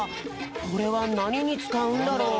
これはなににつかうんだろう？